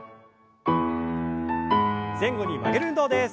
前後に曲げる運動です。